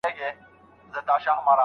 خلک باید بې تحقیق پرېکړه ونه کړي.